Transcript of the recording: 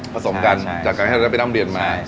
ผสมกันจากการให้เราได้ไปนั่งเบียนมา